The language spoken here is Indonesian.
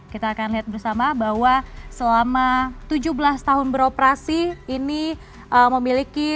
kita akan lihat bersama bahwa selama tujuh belas tahun beroperasi ini memiliki